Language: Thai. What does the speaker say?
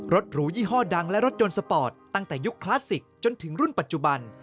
หรูยี่ห้อดังและรถยนต์สปอร์ตตั้งแต่ยุคคลาสสิกจนถึงรุ่นปัจจุบัน